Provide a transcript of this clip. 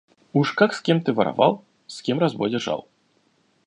Уж как с кем ты воровал, с кем разбой держал